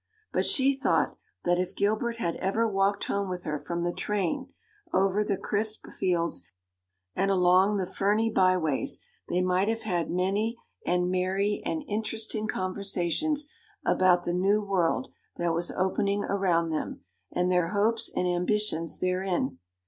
But she thought that if Gilbert had ever walked home with her from the train, over the crisp fields and along the ferny byways, they might have had many and merry and interesting conversations about the new world that was opening around them and their hopes and ambitions therein.